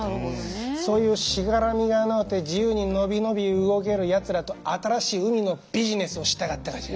そういうしがらみがのうて自由に伸び伸び動けるやつらと新しい海のビジネスをしたかったがじゃ。